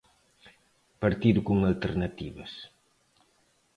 Partido con alternativas.